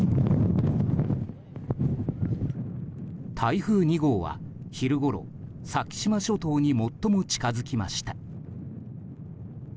台風２号は、昼ごろ先島諸島に最も近づきました。